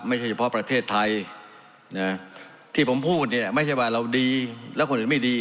ไม่ใช่เฉพาะประเทศไทยนะที่ผมพูดเนี่ยไม่ใช่ว่าเราดีแล้วคนอื่นไม่ดี